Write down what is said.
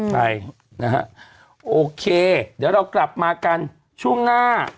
ใช่นะฮะโอเคเดี๋ยวเรากลับมากันช่วงหน้า